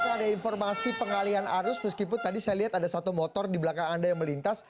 apakah ada informasi pengalian arus meskipun tadi saya lihat ada satu motor di belakang anda yang melintas